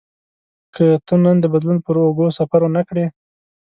که ته نن د بدلون پر اوږو سفر ونه کړې.